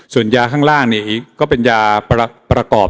ส่วนยาข้างล่างเนี่ยอีกก็เป็นยาประกอบ